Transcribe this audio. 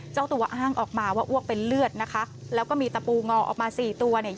เจ้าตัวอ้างออกมาว่าอ้วกเป็นเลือดนะคะแล้วก็มีตะปูงอออกมาสี่ตัวเนี่ย